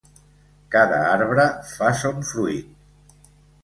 Cada arbre fa son fruit.